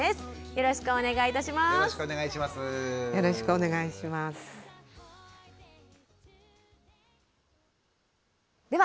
よろしくお願いします。